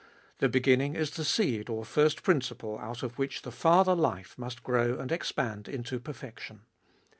The beginning is the seed or first principle out of which the farther life must grow and expand into perfection.